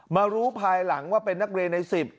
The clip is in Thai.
มารู้ภายหลังว่าเป็นนักเรียนใน๑๐